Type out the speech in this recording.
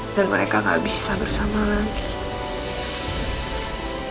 dan mereka gak bisa bersama lagi